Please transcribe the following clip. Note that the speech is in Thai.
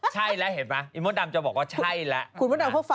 หิมท์ดำจะบอกว่าใช่ละเห็นป่ะ